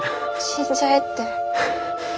死んじゃえって。